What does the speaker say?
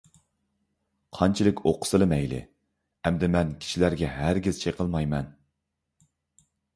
قانچىلىك ئوقۇسىلا مەيلى. ئەمدى مەن كىشىلەرگە ھەرگىز چېقىلمايمەن.